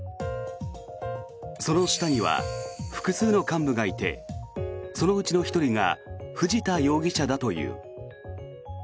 その下には複数の幹部がいてそのうちの１人が藤田容疑者だという。